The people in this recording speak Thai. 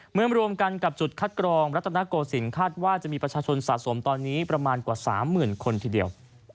เมื่อมารวมกันกับจุดคัดกรองรัฐนาโกสินคาดว่าจะมีประชาชนสะสมตอนนี้ประมาณกว่า๓หมื่นคนทีเดียว